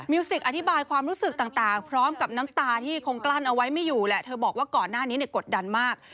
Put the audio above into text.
สิกอธิบายความรู้สึกต่างพร้อมกับน้ำตาที่คงกลั้นเอาไว้ไม่อยู่แหละเธอบอกว่าก่อนหน้านี้เนี่ยกดดันมาก